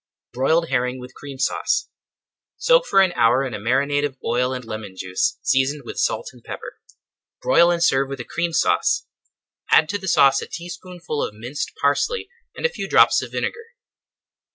[Page 199] BROILED HERRING WITH CREAM SAUCE Soak for an hour in a marinade of oil and lemon juice, seasoned with salt and pepper. Broil and serve with a Cream Sauce. Add to the sauce a teaspoonful of minced parsley, and a few drops of vinegar.